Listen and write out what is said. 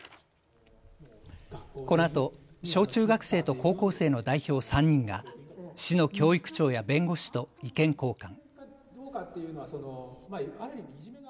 このあと小中学生と高校生の代表３人が市の教育長や弁護士と意見交換。